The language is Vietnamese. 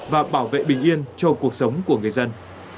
và bảo vệ bình yên cho cuộc sống của người dân